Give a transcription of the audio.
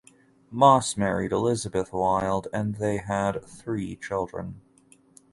Moss married Elizabeth Wilde and they had three children.